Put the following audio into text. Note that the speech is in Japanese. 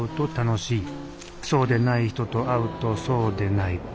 そうでない人と会うとそうでない。